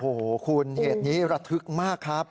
โอ้โหคุณเหตุนี้ระทึกมากครับ